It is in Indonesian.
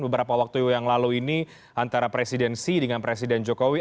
berapa waktu yang lalu ini antara presiden xi dengan presiden jokowi